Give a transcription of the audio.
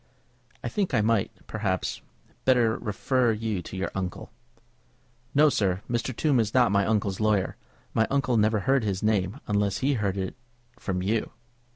"I think I might, perhaps, better refer you to your uncle." "No, sir; Mr. Tombe is not my uncle's lawyer. My uncle never heard his name, unless he heard of it from you."